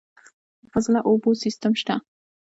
د فاضله اوبو سیستم شته؟